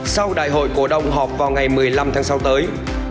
sau đại hội cổ động họp vào ngày một mươi năm tháng sáu tới